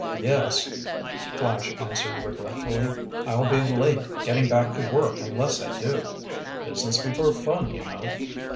"Yes," Flash answered regretfully, "I'll be late getting back to work unless I do. Business before fun, you know."